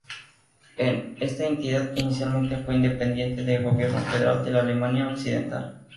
Esta entidad inicialmente fue independiente del gobierno federal de la Alemania occidental.